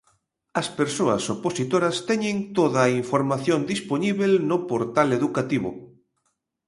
As persoas opositoras teñen toda a información dispoñíbel no Portal Educativo.